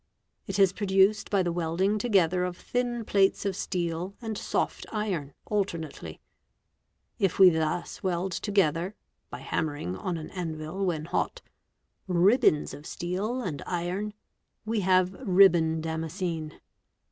It is produced by the welding together of thin plates of steel and soft iron alternately. If we thus weld together (by hammering on an anvil when hot) rzbbons of steel and iron we have ribbon Damascene.